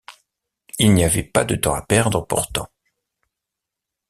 Il n’y avait pas de temps à perdre, pourtant.